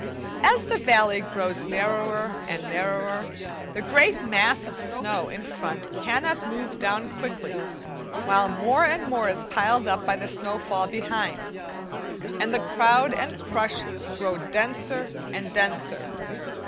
As the valley grows narrower and narrower the great mass of snow in front cannot move down quickly, while more and more is piled up by the snowfall behind, and the crowd and crush grow denser and denser.